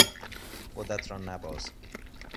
خودت را نباز!